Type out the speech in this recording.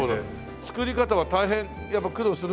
作り方は大変やっぱ苦労するんでしょ？